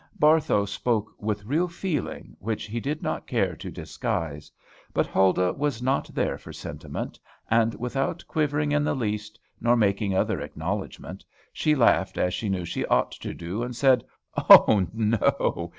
Barthow spoke with real feeling, which he did not care to disguise. But Huldah was not there for sentiment; and without quivering in the least, nor making other acknowledgment, she laughed as she knew she ought to do, and said, "Oh, no!